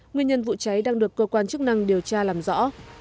nguyên nhân vụ cháy đang được cơ quan chức năng điều tra làm rõ